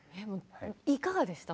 いかがでしたか？